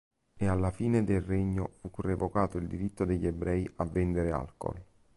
E alla fine del regno fu revocato il diritto degli ebrei a vendere alcool".